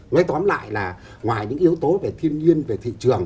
nói tóm lại là ngoài những yếu tố về thiên nhiên về thị trường